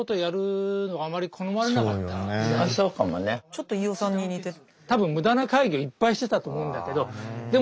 ちょっと飯尾さんに似てる。